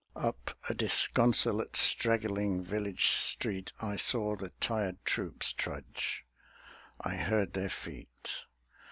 II Up a disconsolate straggling village street I saw the tired troops trudge: I heard their feet.